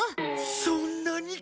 そんなにか。